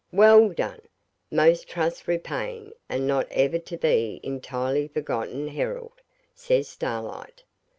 'Well done, most trust repaying and not ever to be entirely forgotten herald,' says Starlight.